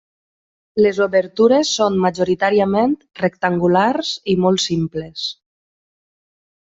Les obertures són majoritàriament rectangulars i molt simples.